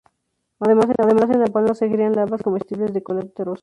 Además en la palma se crían larvas comestibles de coleópteros.